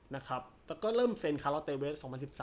แล้วก็เริ่มเซ็นคารอเตเวส๒๐๑๓